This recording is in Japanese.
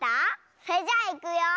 それじゃあいくよ。